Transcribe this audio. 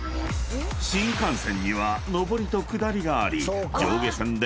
［新幹線には上りと下りがあり］